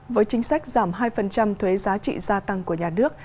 với chính sách giảm hai thuế giá trị gia tăng của nhà nước